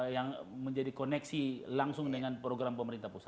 yang menjadi koneksi langsung dengan program pemerintah pusat